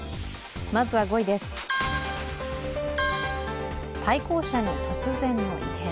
まずは５位です、対向車に突然の異変。